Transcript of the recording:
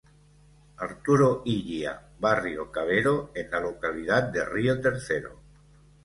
Arturo Illia, Barrio Cabero, en la localidad de Río Tercero.